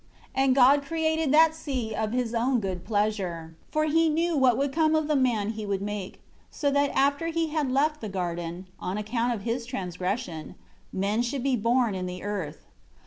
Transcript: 4 And God created that sea of his own good pleasure, for He knew what would come of the man He would make; so that after he had left the garden, on account of his transgression, men should be born in the earth.